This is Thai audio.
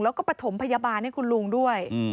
แล้วก็ประถมพยาบาลให้คุณลุงด้วย